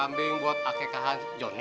kambing buat akkh jonny